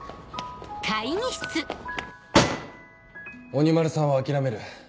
鬼丸さんは諦める。